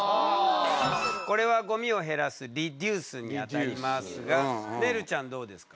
これはごみを減らすリデュースにあたりますがねるちゃんどうですか。